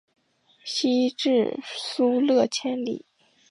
西至疏勒千里。